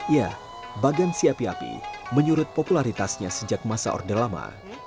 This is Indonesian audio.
ya bagan si api api menyurut popularitasnya sejak masa order lama